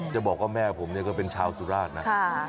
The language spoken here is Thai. จะบอกว่าแม่ผมเนี่ยก็เป็นชาวสุราชนะ